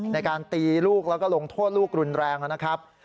ในการตีลูกแล้วก็ลงโทษลูกรุนแรงนะครับ